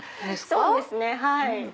そうですねはい。